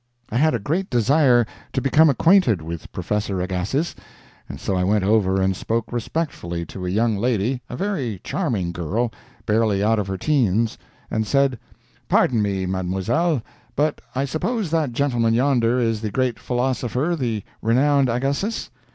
I had a great desire to become acquainted with Professor Agassiz, and so I went over and spoke respectfully to a young lady, a very charming girl barely out of her teens, and said: "Pardon me, Mademoiselle, but—I suppose that gentleman yonder is the great philosopher, the renowned Agassiz?"